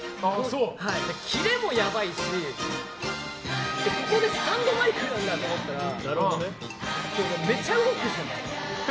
キレもやばいしここでスタンドマイクなのかと思ったらめっちゃ動くんですよ。